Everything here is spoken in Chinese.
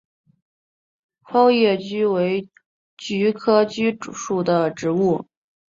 苞叶蓟为菊科蓟属的植物。